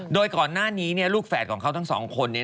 โดยก่อนหน้านี้ลูกแฝดของเขาทั้งสองคน